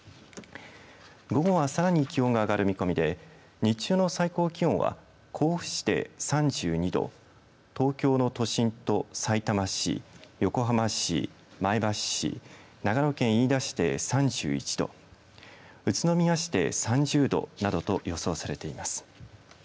午後はさらに気温が上がる見込みで日中の最高気温は甲府市で３２度東京の都心と、さいたま市横浜市、前橋市長野県飯田市で３１度宇都宮市で３０度などと予想されています。